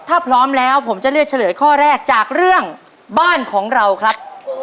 ถ้าพร้อมแล้วผมจะเลือกเฉลยข้อแรกจากเรื่องบ้านของเราครับ